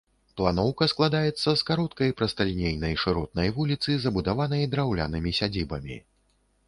Планоўка складаецца з кароткай, прасталінейнай, шыротнай вуліцы, забудаванай драўлянымі сядзібамі.